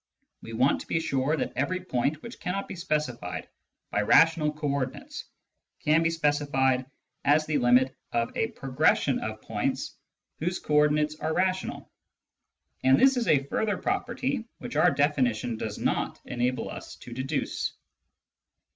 We want to be sure that every point which cannot be specified by rational co ordinates can be specified as the limit of a progression of points 102 Introduction to Mathematical Philosophy whose co ordinates are rational, and this is a further property which our definition does not enable us to deduce.